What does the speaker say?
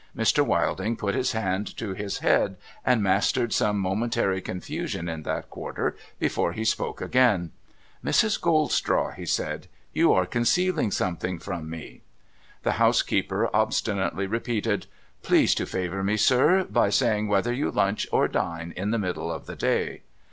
Mr. Wilding put his hand to his head, and mastered some momentary confusion in that quarter, before he spoke again. ' Mrs. Goldstraw,' he said, ' you are concealing something from me !' The housekeeper obstinately repeated, ' Please to favour me, sir, by saying whether you lunch, or dine, in the middle of the day